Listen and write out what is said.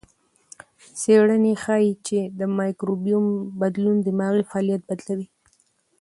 څېړنه ښيي چې د مایکروبیوم بدلون دماغي فعالیت بدلوي.